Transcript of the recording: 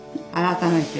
改めて。